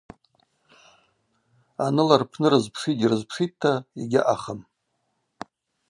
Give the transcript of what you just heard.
Арыла рпны рызпшитӏ-йрызпшитӏта – йгьаъахым.